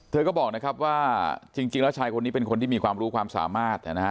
เธอก็บอกนะครับว่าจริงแล้วชายคนนี้เป็นคนที่มีความรู้ความสามารถนะฮะ